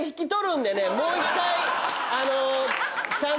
もう１回。